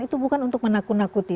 itu bukan untuk menakut nakuti